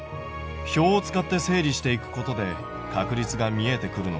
表を使って整理していくことで確率が見えてくるのかな？